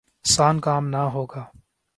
سان کام نہ ہوگا ۔